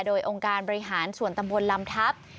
โดยองค์การบริหารส่วนตำบลลำทัพ